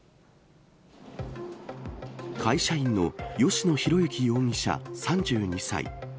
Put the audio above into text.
会社員の吉野浩之容疑者３２歳。